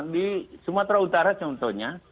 di sumatera utara contohnya